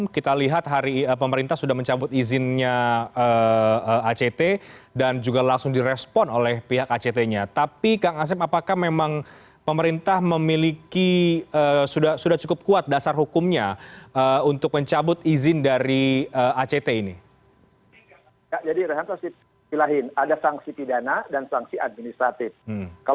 kalau administratif penangan kementerian sosial